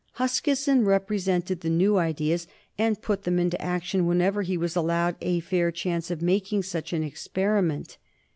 Huskisson represented the new ideas, and put them into action whenever he was allowed a fair chance of making such an experiment.